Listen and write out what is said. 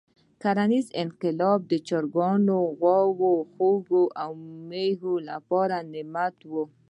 کرنیز انقلاب د چرګانو، غواوو، خوګ او مېږو لپاره ستر نعمت وو.